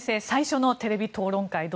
最初のテレビ討論会